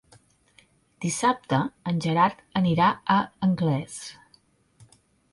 Dissabte en Gerard anirà a Anglès.